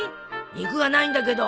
肉がないんだけど。